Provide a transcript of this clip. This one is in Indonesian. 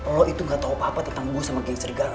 lo itu gak tau apa apa tentang gue sama geng serigala ya